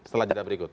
setelah jadwal berikut